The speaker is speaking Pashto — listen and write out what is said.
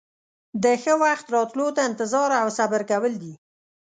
د ښه وخت راتلو ته انتظار او صبر کول دي.